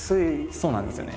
そうなんですよね。